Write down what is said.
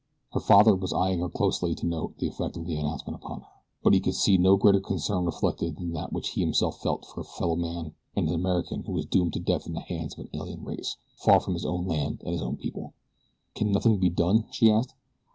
Her father was eyeing her closely to note the effect of his announcement upon her; but he could see no greater concern reflected than that which he himself felt for a fellow man and an American who was doomed to death at the hands of an alien race, far from his own land and his own people. "Can nothing be done?" she asked.